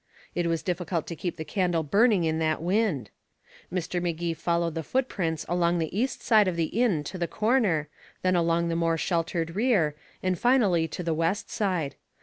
It was difficult to keep the candle burning in that wind. Mr. Magee followed the footprints along the east side of the inn to the corner, then along the more sheltered rear, and finally to the west side.